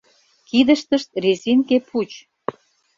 Кидыштышт — резинке пуч.